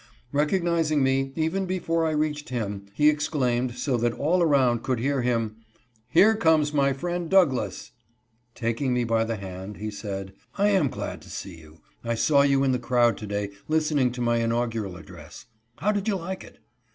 Recognizing me, even before I reached him, he exclaimed, so that all around could hear him, " Here comes my friend Douglass." Taking me by the hand, he said, " I author's opinion of the address. 445 am glad to see you. I saw you in the crowd to day, list ening to my inaugural address ; how did you like it